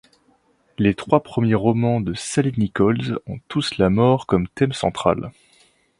Les trois premiers romans de Sally Nicholls ont tous la mort comme thème central.